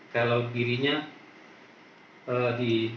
kalau dirinya di